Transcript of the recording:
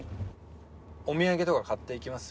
お土産とか買っていきます？